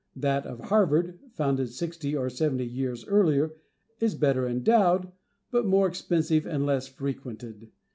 That of Harvard, (founded sixty or seventy years earlier,) is better endowed, but more expensive and less frequented.